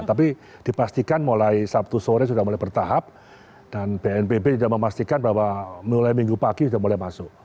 tapi dipastikan mulai sabtu sore sudah mulai bertahap dan bnpb sudah memastikan bahwa mulai minggu pagi sudah mulai masuk